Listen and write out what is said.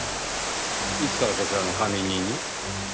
いつからこちらの管理人に？